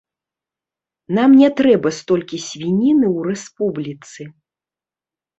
Нам не трэба столькі свініны ў рэспубліцы.